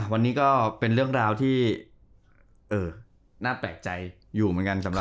วันนี้ก็เป็นเรื่องราวที่น่าแปลกใจอยู่เหมือนกันสำหรับ